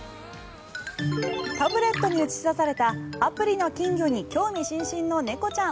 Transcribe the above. タブレットに映し出されたアプリの金魚に興味津々の猫ちゃん。